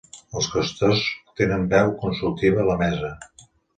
Els qüestors tenen veu consultiva a la Mesa.